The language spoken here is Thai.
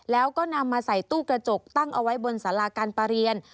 แล้วก็นำมาใส่ตู้กระจกตั้งเอาไว้บนสาราการประเรียน